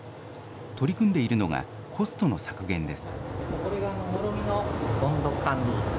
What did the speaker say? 取り組んでいるのが、コストの削減です。